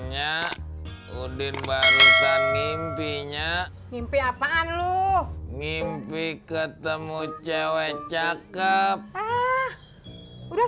ya udin barusan mimpinya mimpi apaan lu mimpi ketemu cewek cakep udah